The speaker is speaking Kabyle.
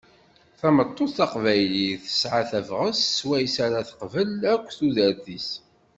Tameṭṭut taqbaylit, tesɛa tabɣest s wayes ara tqabel akk tudert-is.